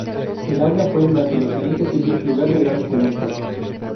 El Aula fue durante los siguientes siglos lugar de grandes eventos.